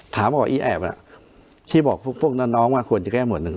ถามออกอีแอบน่ะที่บอกพวกพวกน้อนน้องว่าควรจะแก้หมดหนึ่ง